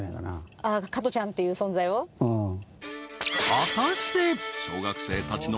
［果たして］